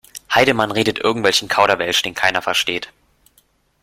Heidemann redet irgendwelchen Kauderwelsch, den keiner versteht.